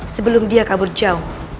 sebelum dia kabur jauh